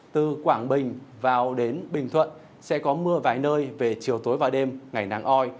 từ quảng bình vào đến bình thuận sẽ có mưa vài nơi về chiều tối và đêm ngày nắng oi